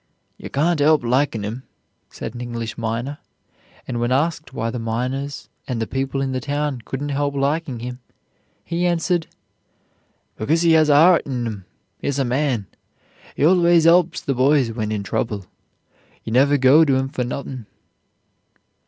"You can't 'elp likin' 'im," said an English miner, and when asked why the miners and the people in the town couldn't help liking him, he answered. "Because he has a 'eart in 'im; he's a man. He always 'elps the boys when in trouble. You never go to 'im for nothin'."